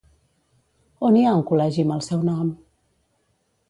On hi ha un col·legi amb el seu nom?